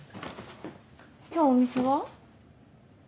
今日お店は？